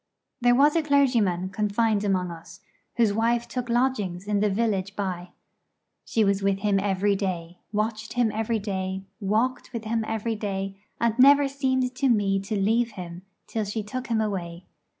There was a clergyman confined among us, whose wife took lodgings in the village by. She was with him every day, watched him every day, walked with him every day, and never seemed to me to leave him till she took him away.